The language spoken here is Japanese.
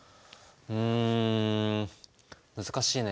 うん難しいね。